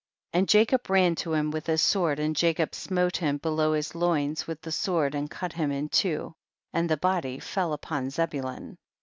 58. And Jacob ran to him with his sword and Jacob smote him below his loins with the sword, and cut him in two, and the body fell upon Zebu lun.